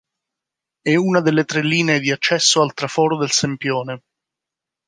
È una delle tre linee di accesso al Traforo del Sempione.